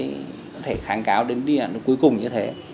có thể kháng cáo đến điện cuối cùng như thế